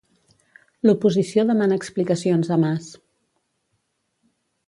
L'oposició demana explicacions a Mas.